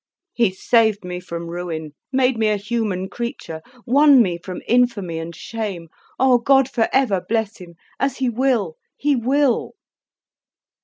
"He saved me from ruin, made me a human creature, won me from infamy and shame. O, God for ever bless him! As He will, He Will!"